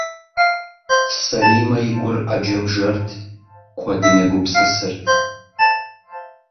Сэримэ и гур Ӏэджэм жэрт, куэдым егупсысырт.